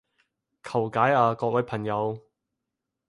求解啊各位朋友